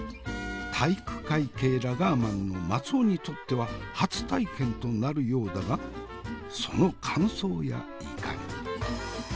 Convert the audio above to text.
体育会系ラガーマンの松尾にとっては初体験となるようだがその感想やいかに？